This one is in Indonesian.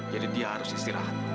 jadi dia harus istirahat